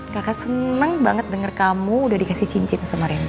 kakak seneng banget denger kamu udah dikasih cincin sama rendy